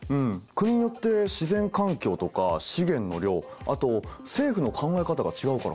国によって自然環境とか資源の量あと政府の考え方が違うからかな？